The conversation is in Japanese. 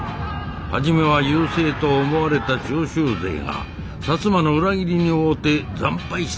初めは優勢と思われた長州勢が摩の裏切りに遭うて惨敗したんや。